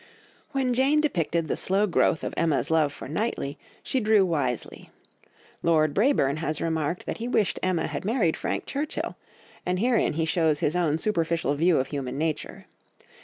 When Jane depicted the slow growth of Emma's love for Knightley, she drew wisely. Lord Brabourne has remarked that he wished Emma had married Frank Churchill, and herein he shows his own superficial view of human nature.